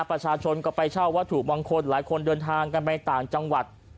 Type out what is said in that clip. ประชาชนก็ไปเช่าวัตถุมงคลหลายคนเดินทางกันไปต่างจังหวัด